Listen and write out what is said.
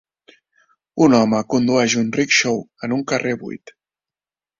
Un home condueix un "rickshaw" en un carrer buit.